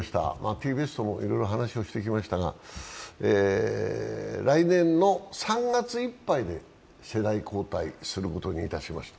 ＴＢＳともいろいろ話をしてきましたが来年の３月いっぱいで世代交代することにいたしました。